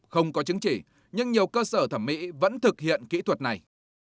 không có chứng chỉ nhưng nhiều cơ sở thẩm mỹ vẫn thực hiện kỹ thuật này